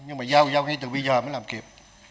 nhưng mà giao giao ngay từ bây giờ mới làm kịp